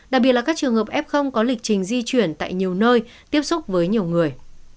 đặc biệt là các trường hợp f có lịch trình di chuyển tại nhiều nơi tiếp xúc với nhiều người